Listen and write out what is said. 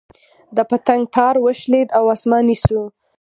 د پتنګ تار وشلېد او اسماني شو.